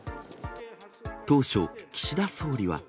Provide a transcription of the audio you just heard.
当初、岸田総理は。